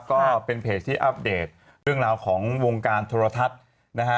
ก็เป็นเพจที่อัปเดตเรื่องราวของวงการโทรทัศน์นะฮะ